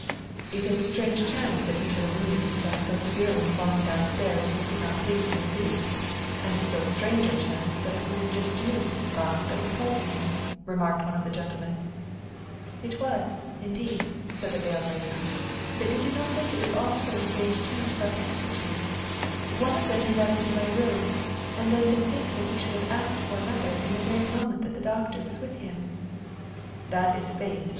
" It is a strange chance that he should have wounded himself so severely in falling downstairs that he could not flee from the city. And a still stranger chance that it was just you, German Mystery Stories Lange, that was called to him," remarked one of the gentle men. " It was, indeed," said the veiled lady. " But did you not think it was also a strange chance about the handker chiefs ? One of them he left in my room, and then to think that he should have asked for another in the very moment that the doctor was with him." " That is fate !